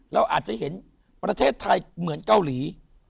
เราอาจจะเห็นประเทศไทยเหมือนเกาหลี